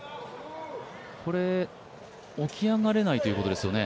起き上がれないということですよね？